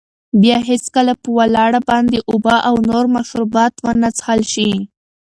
باید هېڅکله په ولاړه باندې اوبه او نور مشروبات ونه څښل شي.